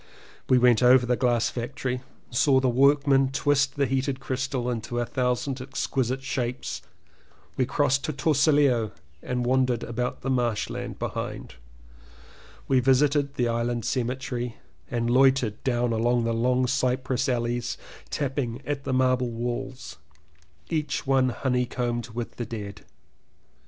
We went over the glass factory and saw the workmen twist the heated crystal into a thousand exquisite shapes; we crossed to Torcello and wan dered about the marshland behind; we 241 CONFESSIONS OF TWO BROTHERS visited the Island cemetery and loitered down the long cypress alleys tapping at the marble walls each one honeycombed with the dead.